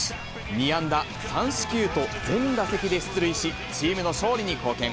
２安打３四球と全打席で出塁し、チームの勝利に貢献。